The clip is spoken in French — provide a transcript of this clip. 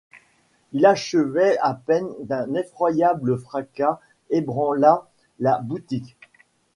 Il achevait à peine qu’un effroyable fracas ébranla la boutique.